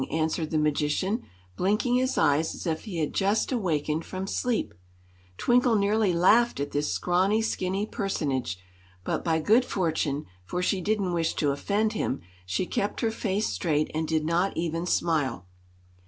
answered the magician, blinking his eyes as if he had just awakened from sleep. Twinkle nearly laughed at this scrawny, skinny personage; but by good fortune, for she didn't wish to offend him, she kept her face straight and did not even smile.